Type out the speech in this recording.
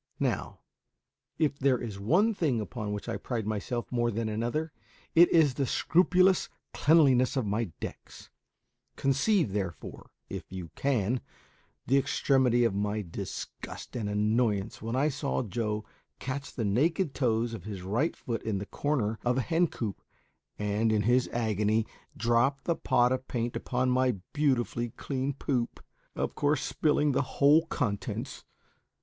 Now, if there is one thing upon which I pride myself more than another, it is the scrupulous cleanliness of my decks; conceive, therefore, if you can, the extremity of my disgust and annoyance when I saw Joe catch the naked toes of his right foot in the corner of a hen coop, and, in his agony, drop the pot of paint upon my beautifully clean poop, of course spilling the whole contents.